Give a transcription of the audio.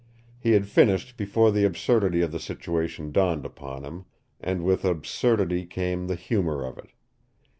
He had finished before the absurdity of the situation dawned upon him, and with absurdity came the humor of it.